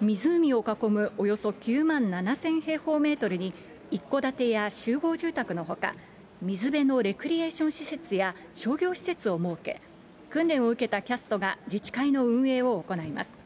湖を囲むおよそ９万７０００平方メートルに一戸建てや集合住宅のほか、水辺のレクリエーション施設や商業施設を設け、訓練を受けたキャストが自治会の運営を行います。